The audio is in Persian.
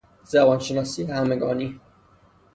زبان شناسی همگانی